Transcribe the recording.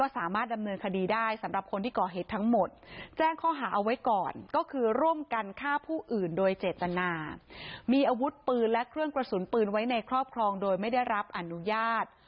สามารถดำเนินคดีได้สำหรับคนที่ก่อเหตุทั้งหมดแจ้งข้อหาเอาไว้ก่อนก็คือร่วมกันฆ่าผู้อื่นโดยเจตนามีอาวุธปืนและเครื่องกระสุนปืนไว้ในครอบครองโดยไม่ได้รับอนุญาต